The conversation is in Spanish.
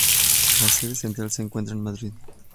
La sede central se encuentra en Madrid.